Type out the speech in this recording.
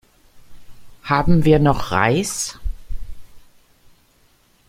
Haben wir noch Reis?